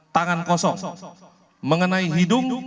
tangan kosong mengenai hidung